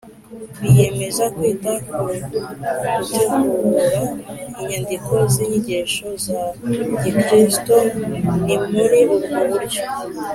biyemeza kwita ku gutegura inyandiko z’inyigisho za gikristo ni muri ubwo buryo,